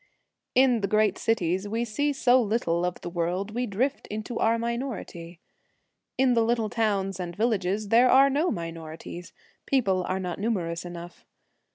In the great cities we see so little of the world, we drift into our minority. In the little towns and villages there are no mi norities ; people are not numerous enough.